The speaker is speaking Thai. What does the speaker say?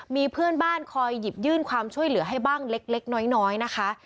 มีเพื่อนบ้านคอยหยิบยื่นความช่วยเหลือให้บ้างเล็กน้อยนะคะ